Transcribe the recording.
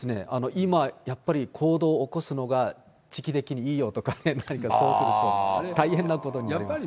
今やっぱり、行動を起こすのが時期的にいいよとか、何かそうすると大変なことになりますからね。